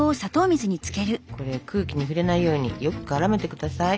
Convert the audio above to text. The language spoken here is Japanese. これ空気に触れないようによく絡めて下さい。